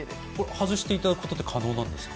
外していただくことって可能ですか？